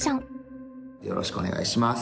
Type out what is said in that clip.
よろしくお願いします。